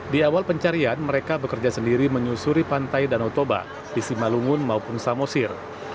di awal pencarian mereka bekerja sendiri menyusuri pantai danau toba di simalungun maupun samosir